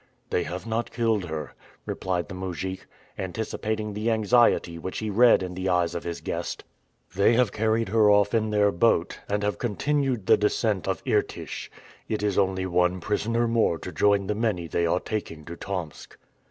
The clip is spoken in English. "They have not killed her," replied the mujik, anticipating the anxiety which he read in the eyes of his guest. "They have carried her off in their boat, and have continued the descent of Irtych. It is only one prisoner more to join the many they are taking to Tomsk!"